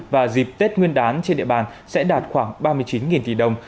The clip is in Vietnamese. và dịp tết nguyên đán trên địa bàn sẽ đạt khoảng ba mươi chín tỷ đồng